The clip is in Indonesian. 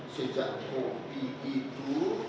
sejak kopi itu